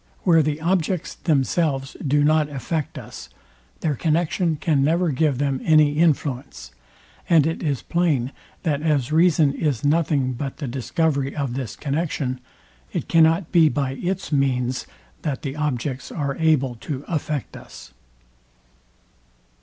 Where the objects themselves do not affect us, their connexion can never give them any influence; and it is plain, that as reason is nothing but the discovery of this connexion, it cannot be by its means that the objects are able to affect us.